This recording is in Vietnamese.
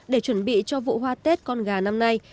để chuẩn bị cho vụ hoa tết con gà năm nay